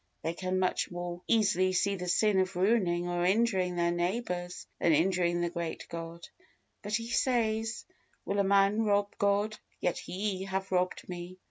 They can much more easily see the sin of ruining or injuring their neighbors than injuring the great God; but He says, "Will a man rob God? Yet ye have robbed me."